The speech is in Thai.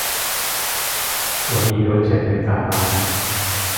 วันนี้โดนเป็ดเชือดคาบ้าน